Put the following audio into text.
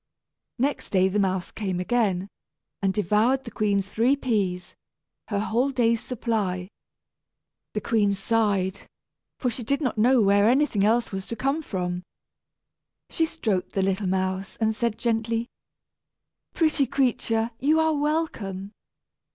Next day the mouse came again, and devoured the queen's three peas, her whole day's supply. The queen sighed, for she did not know where anything else was to come from. She stroked the little mouse, and said gently, "Pretty creature, you are welcome."